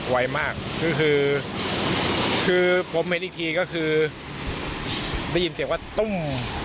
ไวมากคือคือผมเห็นอีกทีก็คือได้ยินเสียงว่าตุ้ม